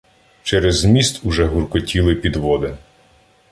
Через міст уже гуркотіли підводи.